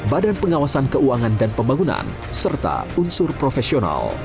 badan pengawasan keuangan dan pembangunan serta unsur profesional